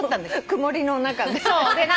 曇りの中で。